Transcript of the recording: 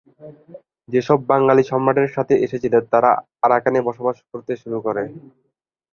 যে সব বাঙালি সম্রাটের সাথে এসেছিল তারা আরাকানে বসবাস করতে শুরু করে।